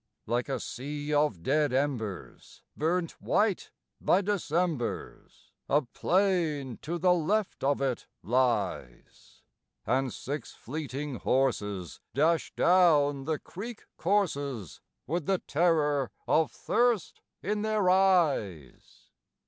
Like a sea of dead embers, burnt white by Decembers, A plain to the left of it lies; And six fleeting horses dash down the creek courses With the terror of thirst in their eyes.